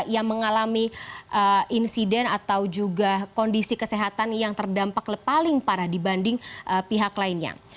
yang mengalami insiden atau juga kondisi kesehatan yang terdampak paling parah dibanding pihak lainnya